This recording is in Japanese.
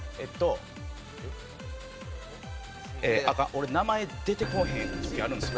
俺名前出てこおへん時あるんですよ。